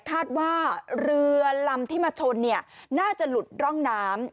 คาดว่าเรือลำที่มาชนน่าจะหลุดร่องน้ำ